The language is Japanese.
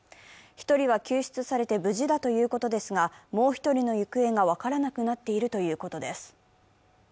１人は救出されて無事だということですが、もう一人の行方が分からなくなっているということです。